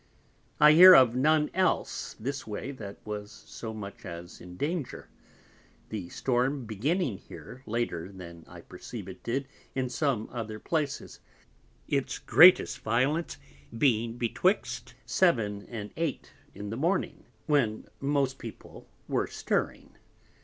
I hear of none else this way that was so much as in danger, the Storm beginning here later than I perceive it did in some other Places, its greatest Violence being betwixt 7 and 8 in the Morning, when most People were stirring.